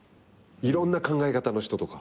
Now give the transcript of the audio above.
いろんな考え方の人とか。